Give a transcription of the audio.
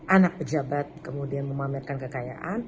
anak pejabat kemudian memamerkan kekayaan